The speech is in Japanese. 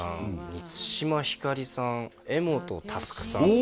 満島ひかりさん柄本佑さん